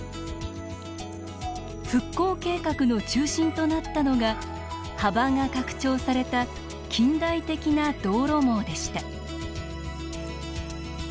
復興計画の中心となったのが幅が拡張された近代的な道路網でした。